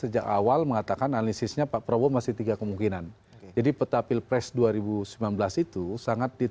biar kita lebih panjang